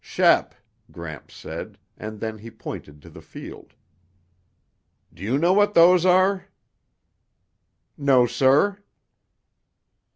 "Shep," Gramps said, and then he pointed to the field. "Do you know what those are?" "No, sir."